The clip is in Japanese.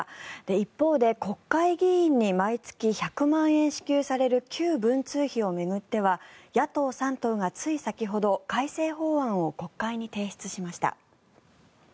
一方で、国会議員に毎月１００万円支給される旧文通費を巡っては野党３党がつい先ほど改正法案を国会に提出しました。